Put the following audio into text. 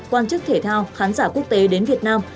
quan chức thể thao khán giả quốc tế đến việt nam